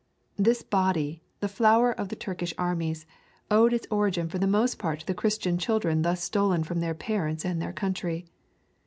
This body, the flower of the Turkish armies, owed its origin for the most part to the Christian children thus stolen from their parents and their country.